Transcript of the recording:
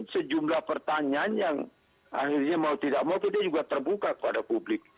sejumlah pertanyaan yang akhirnya mau tidak mau kita juga terbuka kepada publik